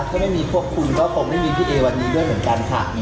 ถ้าไม่มีพวกคุณก็คงไม่มีพี่เอวันนี้ด้วยเหมือนกันค่ะ